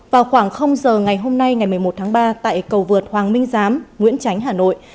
vào khoảng giờ ngày hôm nay ngày một mươi một tháng ba tại cầu vượt hoàng minh giám nguyễn tránh hà nội